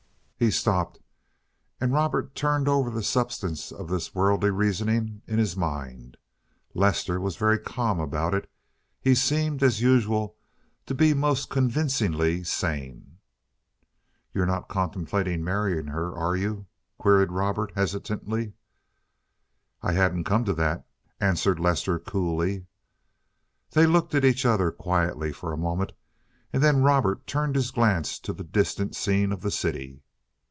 He stopped, and Robert turned over the substance of this worldly reasoning in his mind. Lester was very calm about it. He seemed, as usual, to be most convincingly sane. "You're not contemplating marrying her, are you?" queried Robert hesitatingly. "I hadn't come to that," answered Lester coolly. They looked at each other quietly for a moment, and then Robert turned his glance to the distant scene of the city.